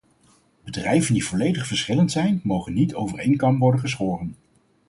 Bedrijven die volledig verschillend zijn mogen niet over één kam worden geschoren.